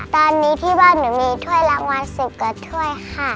ตอนนี้ที่บ้านหนูมีถ้วยรางวัล๑๐กว่าถ้วยค่ะ